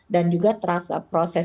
dan juga proses